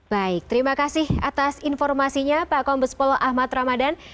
baik terima kasih atas informasinya pak kombespol ahmad ramadan